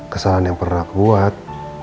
kesalahan yang pernah aku buat